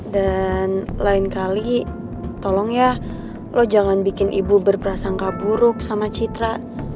dan lain kali tolong ya lo jangan bikin ibu berperasangka buruk sama citra